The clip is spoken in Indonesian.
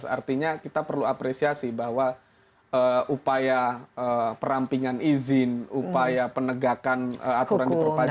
artinya kita perlu apresiasi bahwa upaya perampingan izin upaya penegakan aturan di perpajakan